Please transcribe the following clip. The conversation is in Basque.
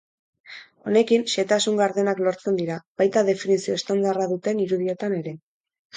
Honekin, xehetasun gardenak lortzen dira, baita definizio estandarra duten irudietan ere.